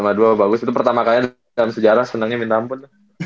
bagus sma dua bagus itu pertama kalinya dalam sejarah senangnya minta ampun